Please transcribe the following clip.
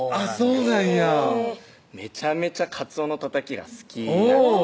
そうなんやめちゃめちゃかつおのたたきが好きなんですね